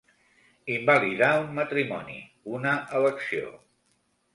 Invalidar un matrimoni, una elecció.